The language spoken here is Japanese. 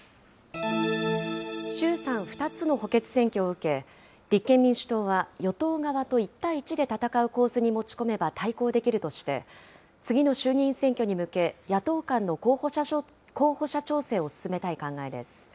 衆参２つの補欠選挙を受け、立憲民主党は、与党側と１対１で戦う構図に持ち込めば対抗できるとして、次の衆議院選挙に向け、野党間の候補者調整を進めたい考えです。